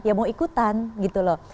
ya mau ikutan gitu loh